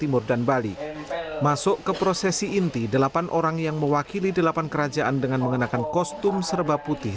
timur dan bali masuk ke prosesi inti delapan orang yang mewakili delapan kerajaan dengan mengenakan kostum serba putih